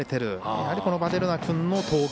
やはりヴァデルナ君の投球